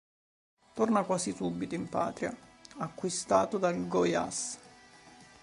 Torna quasi subito in patria, acquistato dal Goiás.